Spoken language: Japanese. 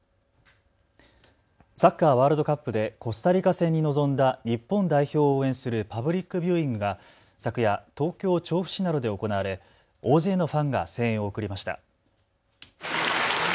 サッカーワールドカップでコスタリカ戦に臨んだ日本代表を応援するパブリック・ビューイングが昨夜、東京調布市などで行われ大勢のファンが声援を送りました。